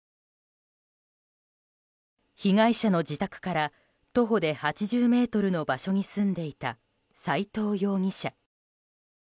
被害者の自宅から徒歩で８０ｍの場所に住んでいた斎藤容疑者。